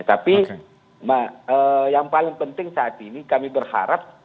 tapi yang paling penting saat ini kami berharap